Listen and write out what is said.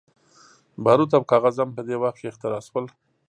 باروت او کاغذ هم په دې وخت کې اختراع شول.